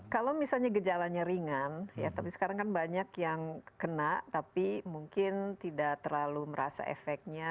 kalau misalnya gejalanya ringan ya tapi sekarang kan banyak yang kena tapi mungkin tidak terlalu merasa efeknya